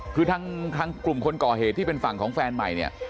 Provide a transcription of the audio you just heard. คือทางกลุ่มคนก่อเหตุที่เป็นฝั่งของแฟนใหม่เนี่ย